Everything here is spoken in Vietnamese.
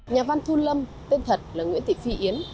nhà văn thun lâm tên thật là nguyễn thị phi yến